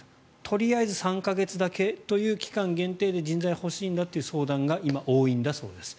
とりあえず３か月だけという期間限定で人材が欲しいんだという相談が今、多いんだそうです。